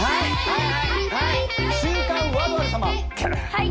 はい。